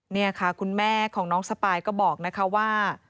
นี่ค่ะคุณแม่ของน้องสปายก็บอกนะคะว่า